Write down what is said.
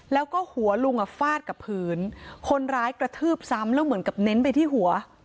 แล้วก็หัวลุงอ่ะฟาดกับพื้นคนร้ายกระทืบซ้ำแล้วเหมือนกับเน้นไปที่หัว